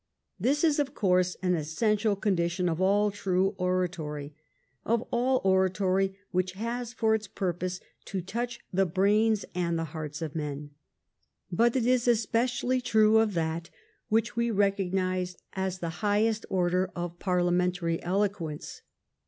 This is, of course, an essential condition of aU true oratory, of all oratory which has for its purpose to touch the brains and the hearts of men, but it is especially true of that which we recognise as the highest order of parliamentary eloquence.